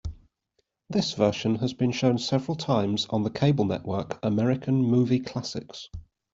This version has been shown several times on the cable network American Movie Classics.